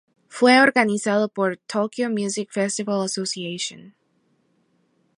Fue organizado por "Tokyo Music Festival Association".